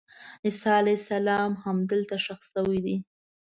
عیسی علیه السلام همدلته ښخ شوی دی.